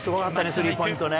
スリーポイントね。